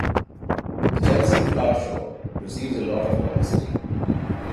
The Chelsea Flower Show receives a lot of publicity.